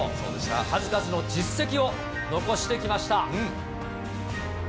数々の実績を残してきました。